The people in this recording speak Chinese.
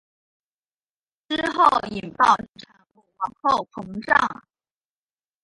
之后引爆产物往后膨胀。